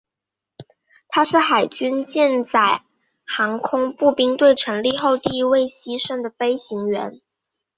他是海军舰载航空兵部队成立后第一位牺牲的飞行员。